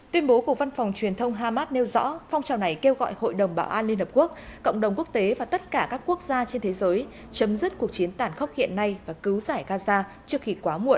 tuyên bố của văn phòng truyền thông hamas nêu rõ phong trào này kêu gọi hội đồng bảo an liên hợp quốc cộng đồng quốc tế và tất cả các quốc gia trên thế giới chấm dứt cuộc chiến tàn khốc hiện nay và cứu giải gaza trước khi quá muộn